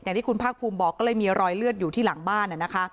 ที่คุณภาคภูมิบอกก็เลยมีรอยเลือดอยู่ที่หลังบ้านนะคะ